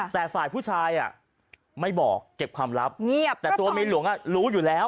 แต่ฝ่ายผู้ชายไม่บอกเก็บความลับเงียบแต่ตัวเมียหลวงรู้อยู่แล้ว